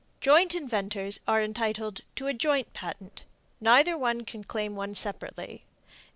Joint inventors are entitled to a joint patent; neither can claim one separately.